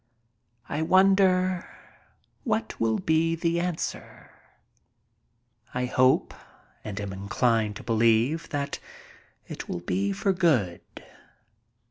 I wonder what will be the answer? I hope and am inclined to believe that it will be for good.